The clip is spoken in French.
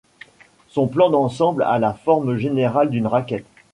Son plan d'ensemble a la forme générale d'une raquette.